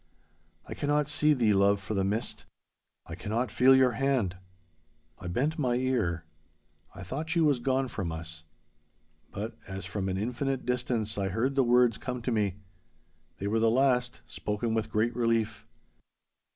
I cannot see thee, love, for the mist. I cannot feel your hand.' I bent my ear. I thought she was gone from us. But, as from an infinite distance I heard the words come to me. They were the last, spoken with great relief.